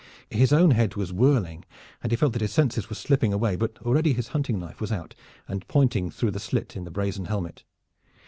His own head was whirling and he felt that his senses were slipping away, but already his hunting knife was out and pointing through the slit in the brazen helmet.